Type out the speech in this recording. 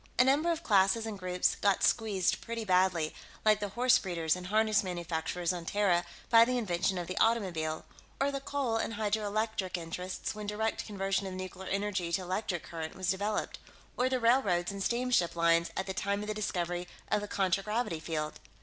A number of classes and groups got squeezed pretty badly, like the horse breeders and harness manufacturers on Terra by the invention of the automobile, or the coal and hydroelectric interests when direct conversion of nuclear energy to electric current was developed, or the railroads and steamship lines at the time of the discovery of the contragravity field.